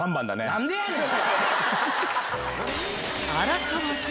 何でやねん